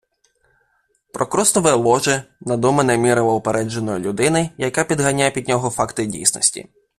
Прокрустове ложе - надумане мірило упередженої людини, яка підганяє під нього факти дійсності